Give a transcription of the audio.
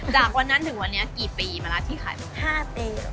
จากวันนั้นถึงวันนี้กี่ปีมาแล้วที่ขายมา๕ปี